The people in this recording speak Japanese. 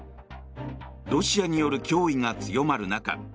ロシアによる脅威が強まる中